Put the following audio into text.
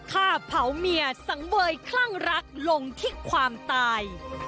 ฆ่าเผาเมียสังเวยคลั่งรักลงที่ความตาย